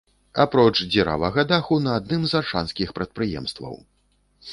Апроч дзіравага даху на адным з аршанскіх прадпрыемстваў.